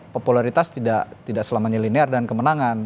popularitas tidak selamanya linear dan kemenangan